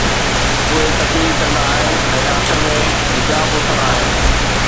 اهي تقرير ڪندا آهن ۽ آخر ۾ حجاب اٿندا آهن